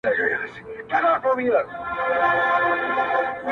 • د زمري په کابینه کي خر وزیر وو,